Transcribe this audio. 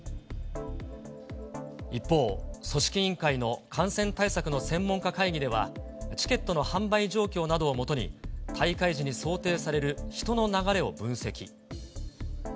一方、組織委員会の感染対策の専門家会議では、チケットの販売状況などをもとに、大会時に想定される人の流れを分析。